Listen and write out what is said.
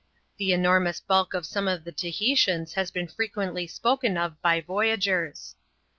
The enormous bulk of some of the Tahitians has been frequently spoken of by voyagers.